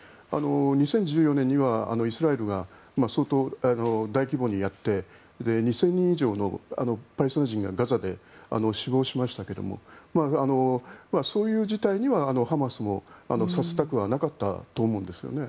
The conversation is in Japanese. ２０１４年にはイスラエルが相当、大規模にやって２０００人以上のパレスチナ人がガザで死亡しましたがそういう事態にはハマスもさせたくはなかったと思うんですよね。